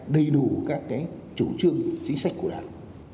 đầy đủ các chủ trương chính sách của đảng